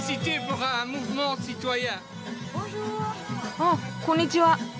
あっこんにちは。